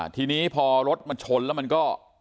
ทีนี้พอรถเงินมาแล้วก็